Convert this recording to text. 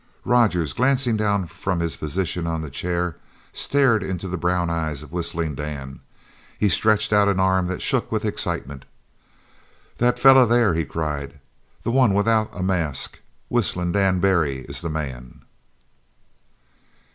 Rogers, glancing down from his position on the chair, stared into the brown eyes of Whistling Dan. He stretched out an arm that shook with excitement. "That feller there!" he cried, "that one without a mask! Whistlin' Dan Barry is the man!"